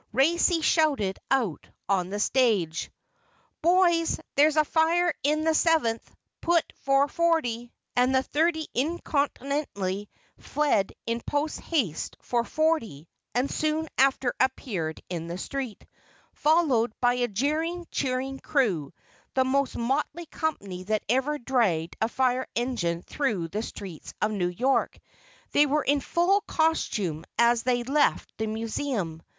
Racey shouted out on the stage: "Boys, there's a fire in the Seventh! Put for 'Forty'"; and the thirty incontinently fled in post haste for "Forty," and soon after appeared in the street, followed by a jeering, cheering crew, the most motley company that ever dragged a fire engine through the streets of New York. They were in full costume as they left the Museum.